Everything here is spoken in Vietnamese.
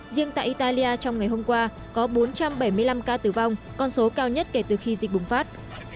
riêng tại italia trong ngày hôm qua có bốn trăm bảy mươi năm ca tử vong con số cao nhất kể từ khi dịch bùng phát